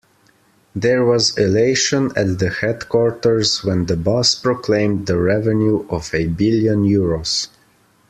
There was elation at the headquarters when the boss proclaimed the revenue of a billion euros.